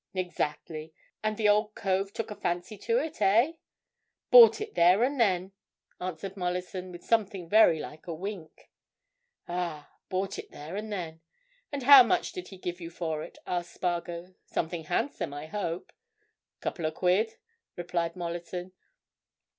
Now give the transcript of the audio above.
"Exactly. And the old cove took a fancy to it, eh?" "Bought it there and then," answered Mollison, with something very like a wink. "Ah! Bought it there and then. And how much did he give you for it?" asked Spargo. "Something handsome, I hope?" "Couple o' quid," replied Mollison.